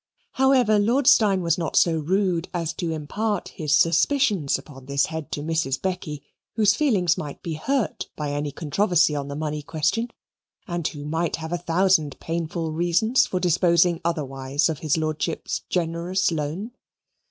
However, Lord Steyne was not so rude as to impart his suspicions upon this head to Mrs. Becky, whose feelings might be hurt by any controversy on the money question, and who might have a thousand painful reasons for disposing otherwise of his lordship's generous loan.